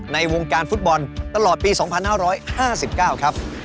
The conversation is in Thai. ในวงการฟุตบอลตลอดปี๒๕๕๙ครับ